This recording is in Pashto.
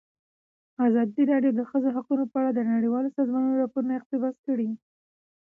ازادي راډیو د د ښځو حقونه په اړه د نړیوالو سازمانونو راپورونه اقتباس کړي.